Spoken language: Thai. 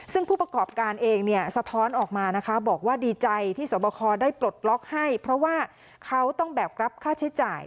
ซึ่งผู้ประกอบการเองเนี่ยสะท้อนออกมานะคะบอกว่าดีใจที่สวบคอได้ปลดล็อกให้เพราะว่าเขาต้องแบกรับค่าใช้จ่าย